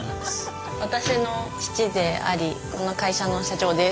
私の父でありこの会社の社長です。